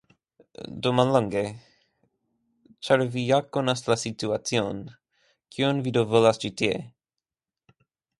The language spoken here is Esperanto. Do, mallonge, ĉar vi ja konas la situacion, kion vi do volas ĉi tie?